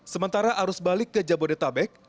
sementara arus balik ke jabodetabek